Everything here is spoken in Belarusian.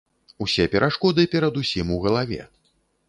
Усе перашкоды перадусім у галаве.